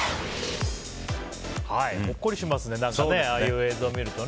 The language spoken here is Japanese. ほっこりしますねああいう映像を見るとね。